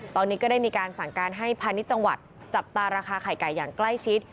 ตอนนี้ก็ได้มีการสั่งการให้พาณิชย์จังหวัดจับตาราคาไข่ไก่อย่างใกล้ชิด